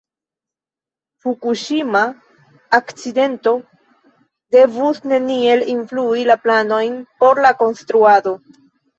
Fukuŝima akcidento devus neniel influi la planojn por la konstruado.